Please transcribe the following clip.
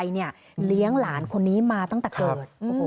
เลี้ยงหลานคนนี้มาตั้งแต่เกิด